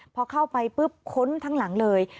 พอเข้าไปปุ๊บค้นทั้งหลังเลย